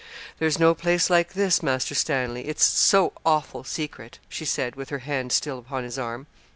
'There's no place like this, Master Stanley; it's so awful secret,' she said, with her hand still upon his arm.